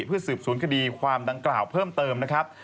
เพื่อสืบสวนคดีความดังกล่าวเพิ่มเติมนะครับ